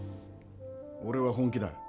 俺は本気だ。